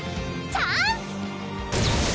チャンス！